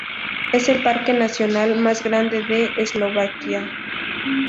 Es el parque nacional más grande de Eslovaquia.